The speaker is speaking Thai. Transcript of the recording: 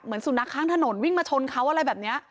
สุนัขข้างถนนวิ่งมาชนเขาอะไรแบบนี้